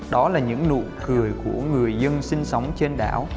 đó là những nụ cười của người dân sinh sống trên đảo